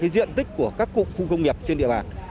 điện tích của các cục khu công nghiệp trên địa bàn